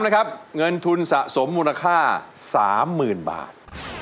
คุณสะสมมูลค่า๓๐๐๐๐บาท